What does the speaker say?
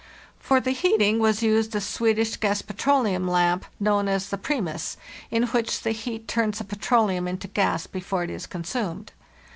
For the heating was used a Swedish gas petroleum lamp, known as the " Primus," in which the heat turns the petroleum into gas before it is consumed.